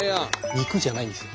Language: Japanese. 肉じゃないんですよ。